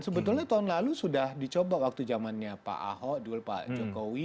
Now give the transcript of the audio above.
sebetulnya tahun lalu sudah dicoba waktu zamannya pak ahok dulu pak jokowi